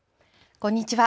こんにちは。